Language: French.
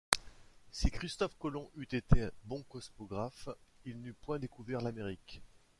Si Christophe Colomb eût été bon cosmographe, il n’eût point découvert l’Amérique.